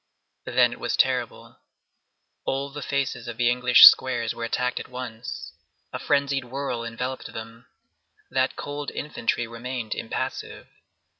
Then it was terrible. All the faces of the English squares were attacked at once. A frenzied whirl enveloped them. That cold infantry remained impassive.